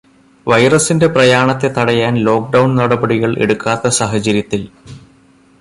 വൈറസിന്റെ പ്രയാണത്തെ തടയാൻ ലോക്ക്ഡൗണ് നടപടികൾ എടുക്കാത്ത സാഹചര്യത്തിൽ